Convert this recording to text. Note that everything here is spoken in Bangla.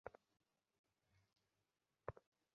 তোমাকে অনেক ধন্যবাদ - আপনাকে স্বাগতম - সবই ঘামছে।